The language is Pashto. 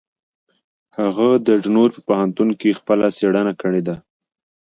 هغه د ډنور په پوهنتون کې خپله څېړنه کړې ده.